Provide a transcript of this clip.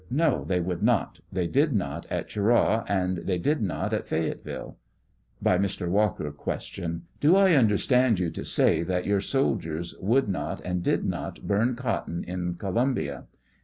No, they would not; they did not at Oh era w, and they did not at Fayetteville, By Mr. Walker : Q. Do I understand you to say that your soldiers would not and did not burn cotton in Columbia